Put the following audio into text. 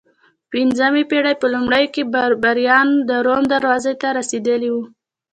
د پنځمې پېړۍ په لومړیو کې بربریان د روم دروازو ته رسېدلي وو